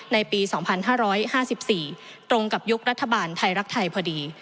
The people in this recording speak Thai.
ในปี๒๕๕๔ตรงกับยุครัฐบาลไทยรักไทยพอดี